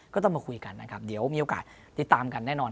ก็ต้องมาคุยกันนะครับเดี๋ยวมีโอกาสติดตามกันแน่นอน